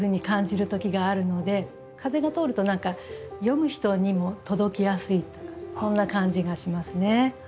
風が通ると何か読む人にも届きやすいとかそんな感じがしますね。